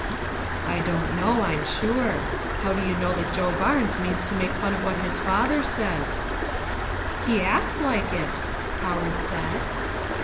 "I don't know, I'm sure. How do you know that Joe Barnes means to make fun of what his father says?" "He acts like it," Howard said.